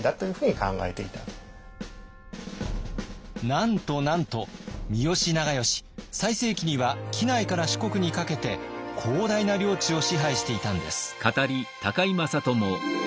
なんとなんと三好長慶最盛期には畿内から四国にかけて広大な領地を支配していたんです。